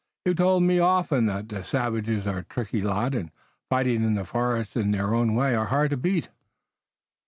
You've told me often that the savages are a tricky lot, and, fighting in the forest in their own way, are hard to beat."